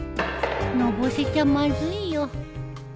のぼせちゃまずいよ